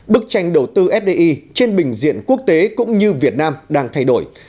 bức tranh đầu tư fdi trên bình diện quốc tế cũng như việt nam đang thay đổi